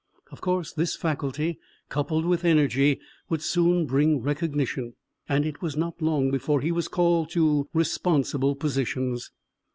Of course this faculty, coupled with energy, would soon bring recognition, and it was not long before he was called to responsible positions.